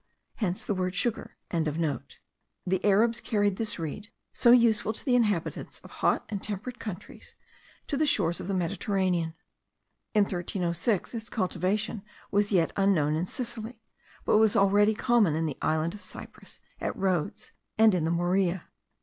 Thence the word sugar.) The Arabs carried this reed, so useful to the inhabitants of hot and temperate countries, to the shores of the Mediterranean. In 1306, its cultivation was yet unknown in Sicily; but was already common in the island of Cyprus, at Rhodes, and in the Morea.